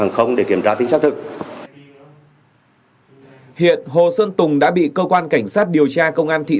không để kiểm tra tính xác thực hiện hồ xuân tùng đã bị cơ quan cảnh sát điều tra công an thị